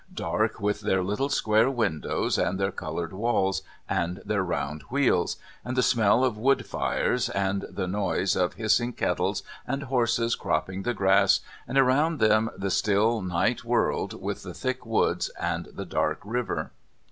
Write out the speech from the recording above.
Dark with their little square windows, and their coloured walls, and their round wheels, and the smell of wood fires, and the noise of hissing kettles and horses cropping the grass, and around them the still night world with the thick woods and the dark river.